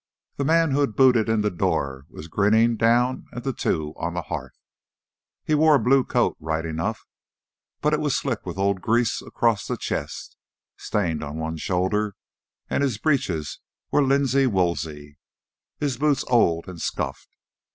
The man who had booted in the door was grinning down at the two on the hearth. He wore a blue coat right enough, but it was slick with old grease across the chest, stained on one shoulder, and his breeches were linsey woolsey, his boots old and scuffed.